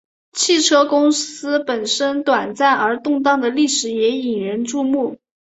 汽车公司本身短暂而动荡的历史也引人注目。